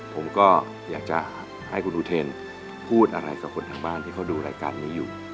ผมก็อยากจะให้คุณอุเทนพูดอะไรกับคนทางบ้านที่เขาดูรายการนี้อยู่